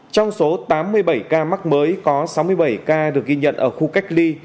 trong số tám mươi bảy ca mắc mới có sáu mươi bảy ca được ghi nhận ở khu cách ly